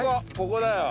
ここだよ。